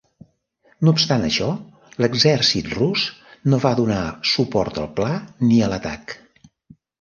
No obstant això, l'exèrcit rus no va donar suport al pla ni a l'atac.